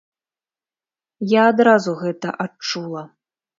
Я адразу гэта адчула.